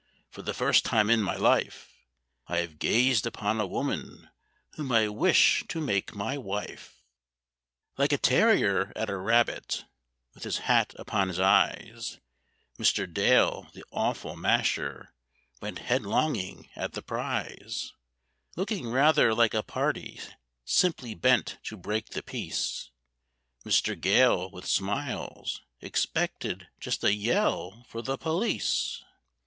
For the first time in my life I have gazed upon a woman whom I wish to make my wife." Like a terrier at a rabbit, with his hat upon his eyes Mr. Dale, the awful masher, went head longing at the prize, Looking rather like a party simply bent to break the peace, Mr. Gale, with smiles, expected just a yell for the police.